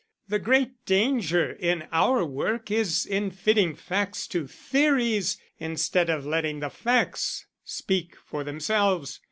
The great danger in our work is in fitting facts to theories instead of letting the facts speak for themselves.